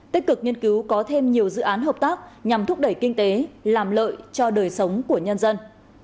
tích cực nghiên cứu có thêm nhiều dự án hợp tác nhằm thúc đẩy kinh tế làm lợi cho đời sống của nhân dân